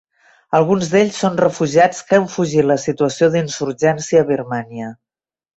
Alguns d'ells són refugiats que han fugit la situació d'insurgència a Birmània.